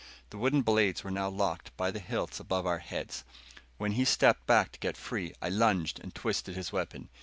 The wooden blades were now locked by the hilts above our heads. When he stepped back to get free, I lunged and twisted his weapon.